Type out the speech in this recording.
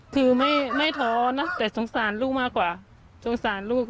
คือไม่ท้อนะแต่สงสารลูกมากกว่าสงสารลูก